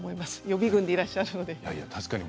予備軍でいらっしゃいますので。